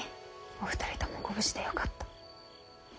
お二人ともご無事でよかった。